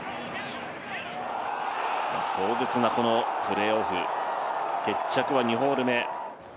壮絶なプレーオフ決着は２ホール目。